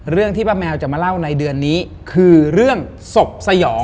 ที่ป้าแมวจะมาเล่าในเดือนนี้คือเรื่องศพสยอง